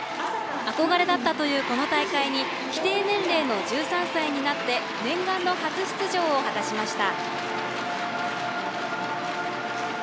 憧れだったというこの大会に規定年齢の１３歳になって念願の初出場を果たしました。